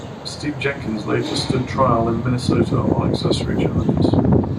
Steve Jenkins later stood trial in Minnesota on accessory charges.